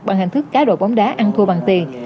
bằng hình thức cá độ bóng đá ăn thua bằng tiền